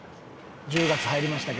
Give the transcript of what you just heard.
１０月入りましたけど。